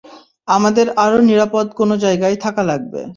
আমাদের আরো নিরাপদ কোনো জায়গায় থাকা লাগবে।